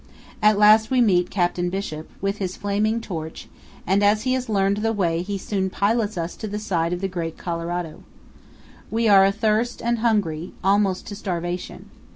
At last we meet Captain Bishop, with his flaming torch, and as he has learned the way he soon pilots us to the side of the great Colorado. We are athirst and hungry, almost to starvation.